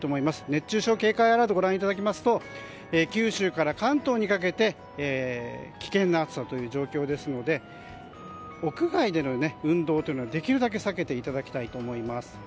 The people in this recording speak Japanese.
熱中症警戒アラートを見ていただきますと九州から関東にかけて危険な暑さという状況ですので屋外での運動というのはできるだけ避けていただきたいと思います。